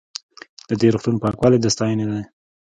د دې روغتون پاکوالی د ستاینې دی.